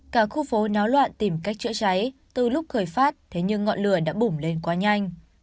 cả khu phố náo loạn tìm cách chữa cháy từ lúc khởi phát thế nhưng ngọn lửa đã bủng lên quá nhanh